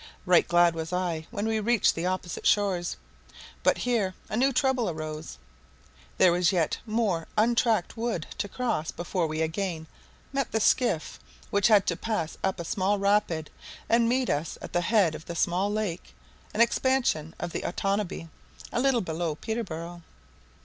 Right glad was I when we reached the opposite shores; but here a new trouble arose: there was yet more untracked wood to cross before we again met the skiff which had to pass up a small rapid, and meet us at the head of the small lake, an expansion of the Otanabee a little below Peterborough.